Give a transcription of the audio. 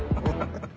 ハハハハ。